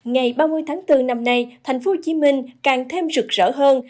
ngày ba mươi tháng bốn năm nay thành phố hồ chí minh càng thêm rực rỡ hơn